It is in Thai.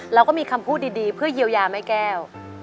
เราก็มีคำพูดดีเพื่อเยียวยาแม่แก้ว